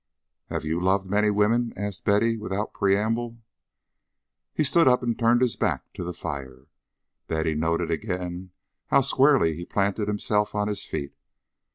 "Have you loved many women?" asked Betty, without preamble. He stood up and turned his back to the fire. Betty noted again how squarely he planted himself on his feet.